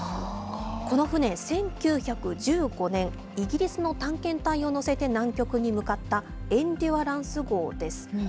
この船、１９１５年、イギリスの探検隊を乗せて南極に向かった、エンデュアランス号です。